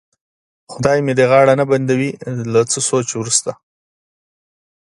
خدای مې دې غاړه نه بندوي، له څه سوچه وروسته.